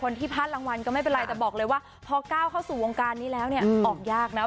พลาดรางวัลก็ไม่เป็นไรแต่บอกเลยว่าพอก้าวเข้าสู่วงการนี้แล้วเนี่ยออกยากนะ